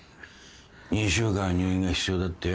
２週間入院が必要だってよ。